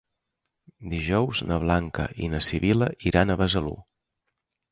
Dijous na Blanca i na Sibil·la iran a Besalú.